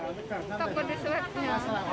takut di swabnya